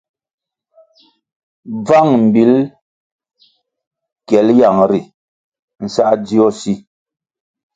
Bvang mbil kyel yang ri nsā dzio si.